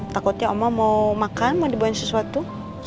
takutnya oma mau makan mau dibawain sesuatu